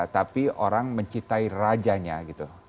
tapi orang mencintai rajanya gitu